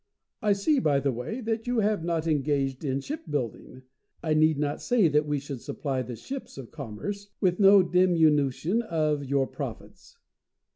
I see, by the way, that you have not engaged in shipbuilding. I need not say that we should supply the ships of commerce, with no diminution of your profits.